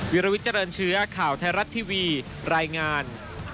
วิลวิเจริญเชื้อข่าวไทยรัฐทีวีรายงาน